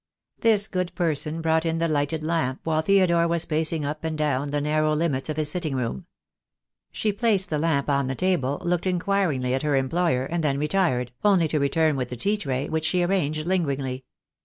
This good person brought in the lighted lamp while Theodore was pacing up and down the narrow limits of his sitting room. She placed the lamp on the table, looked inquiringly at her employer, and then retired, only to return with the tea tray, which she arranged lingeringly.